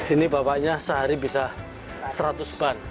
ini bapaknya sehari bisa seratus ban